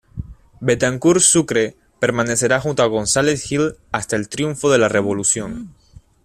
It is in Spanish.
Betancourt Sucre permanecerá junto a González Gil hasta el triunfo de la revolución.